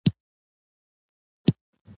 ګونګی د خبرو ارمان لري او معیوب پښو تګ ارمان لري!